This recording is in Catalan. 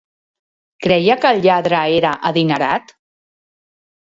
Creia que el lladre era adinerat?